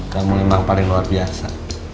kamu memang paling luar biasa